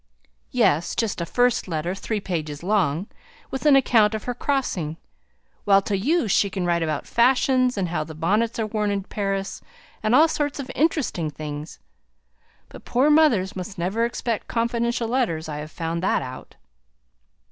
"Yes, just a first letter, three pages long, with an account of her crossing; while to you she can write about fashions, and how the bonnets are worn in Paris, and all sorts of interesting things. But poor mothers must never expect confidential letters, I have found that out."